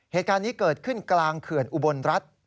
เหตุการณ์นี้เกิดขึ้นกลางเขื่อนอุบลรัฐ